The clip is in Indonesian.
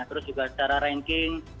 terus juga secara ranking